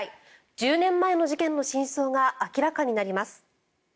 １０年前の事件の真相が明らかになります。